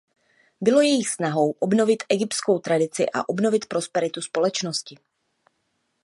Bylo jejich snahou obnovit egyptskou tradici a obnovit prosperitu společnosti.